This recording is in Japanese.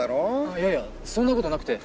いやいやそんな事なくて。